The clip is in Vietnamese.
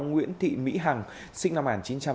nguyễn thị mỹ hằng sinh năm một nghìn chín trăm tám mươi